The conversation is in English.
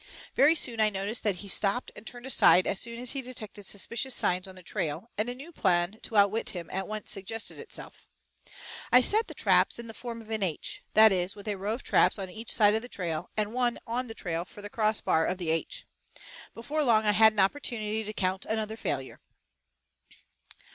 Very soon I noticed that he stopped and turned aside as soon as he detected suspicious signs on the trail, and a new plan to outwit him at once suggested itself. I set the traps in the form of an H; that is, with a row of traps on each side of the trail, and one on the trail for the cross bar of the H. Before long, I had an opportunity to count another failure.